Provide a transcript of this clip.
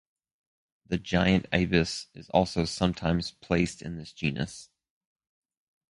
The giant ibis is also sometimes placed in this genus.